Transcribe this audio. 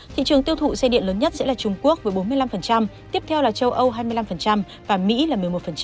thị trường tiêu thụ xe điện lớn nhất sẽ là trung quốc với bốn mươi năm tiếp theo là châu âu hai mươi năm và mỹ là một mươi một